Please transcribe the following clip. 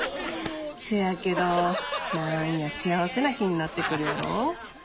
せやけど何や幸せな気になってくるやろ？